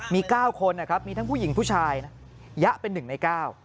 มี๙คนมีทั้งผู้หญิงผู้ชายยะเป็น๑ใน๙